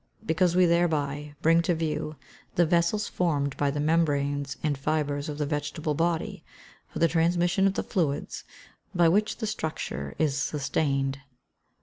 _ Because we thereby bring to view the vessels formed by the membranes and fibres of the vegetable body, for the transmission of the fluids, by which the structure is sustained.